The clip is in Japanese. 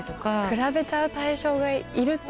比べちゃう対象がいると。